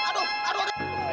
aduh aduh aduh